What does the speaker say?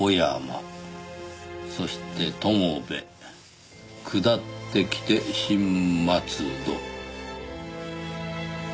そして友部下ってきて新松戸。